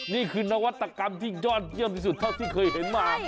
นี่คือนวัตกรรมที่ยอดเยี่ยมที่สุดเท่าที่เคยเห็นมา